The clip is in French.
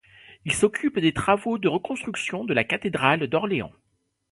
Il s’occupe des travaux de reconstruction de la cathédrale d’Orléans.